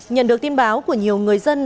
nhận được tin báo của nhiều người dân